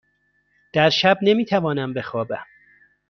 در شب نمی توانم بخوابم.